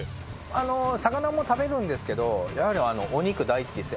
あの魚も食べるんですけどやはりお肉大好きです。